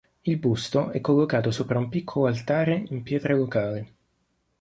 Il busto è collocato sopra un piccolo altare in pietra locale.